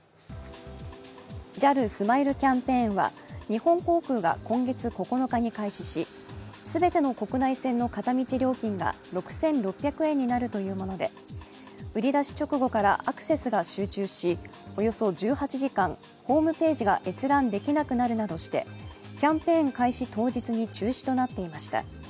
ＪＡＬスマイルキャンペーンは日本航空が今月９日に開始し全ての国内線の片道料金が６６００円になるというもので売り出し直後からアクセスが集中し、およそ１８時間ホームページが閲覧できなくなるなどしてキャンペーン開始当日に中止となっていました。